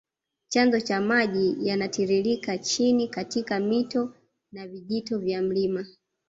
Chanzo cha maji yanatiririke chini katika mito na vijito vya mlima